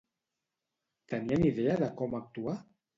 Tenien idea de com actuar?